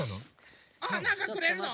あなんかくれるの？